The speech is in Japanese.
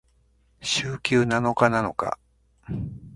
週休七日なのか？